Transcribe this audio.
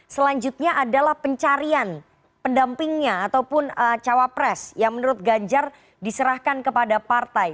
selanjutnya adalah pencarian pendampingnya ataupun cawapres yang menurut ganjar diserahkan kepada partai